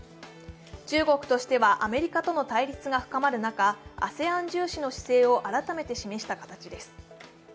中国としてはアメリカとの対立が深まる中、ＡＳＥＡＮ重視の姿勢を改めて示した形です。